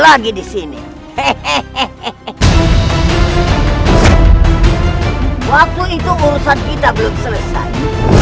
lagi di sini hehehe waktu itu urusan kita belum selesai